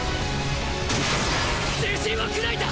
銃身を砕いた！